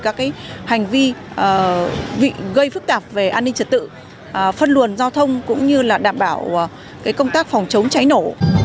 các hành vi gây phức tạp về an ninh trật tự phân luồn giao thông cũng như là đảm bảo công tác phòng chống cháy nổ